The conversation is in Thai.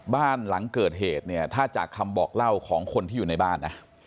บ้านหลังเกิดเหตุเนี่ยถ้าจากคำบอกเล่าของคนที่อยู่ในบ้านนะ